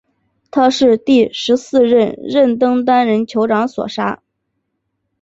他是第十四任登丹人酋长所杀。